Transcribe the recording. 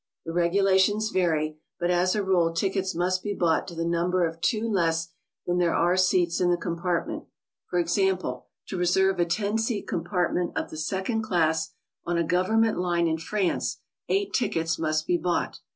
The regulations vary, but as a rule tickets must be bought to the num/ber of two less than there are seats in the compartment. For example, to reserve a lo seat compart ment of the second class on a "Government line" in France, eight tickets must be bought.